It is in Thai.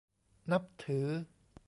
นับถือ